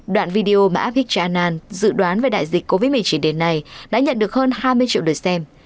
đoạn video mà abhigya anand dự đoán về đại dịch covid một mươi chín đến nay đã nhận được hơn hai mươi triệu lượt xem